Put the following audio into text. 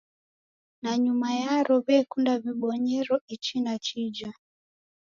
Nanyuma yaro w'ekunda w'ibonyero ichi na chija.